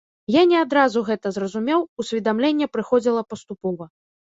Я не адразу гэта зразумеў, усведамленне прыходзіла паступова.